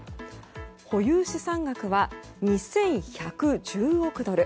保有資産額は２１１０億ドル。